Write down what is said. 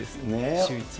シューイチは。